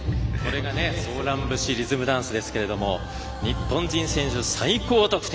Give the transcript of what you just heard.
「ＳｏｒａｎＢｕｓｈｉ」リズムダンスですけれども日本人選手最高得点。